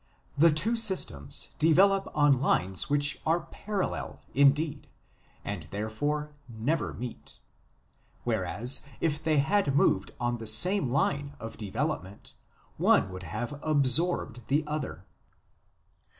The two systems develop on lines which are parallel, indeed, and therefore never meet ; whereas, if they had moved on the same line of development, one would have absorbed the other."